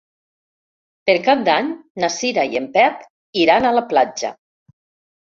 Per Cap d'Any na Cira i en Pep iran a la platja.